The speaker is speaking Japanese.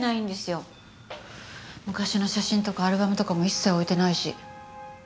昔の写真とかアルバムとかも一切置いてないし。